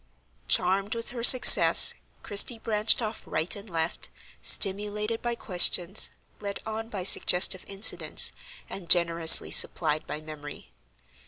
Charmed with her success, Christie branched off right and left, stimulated by questions, led on by suggestive incidents, and generously supplied by memory.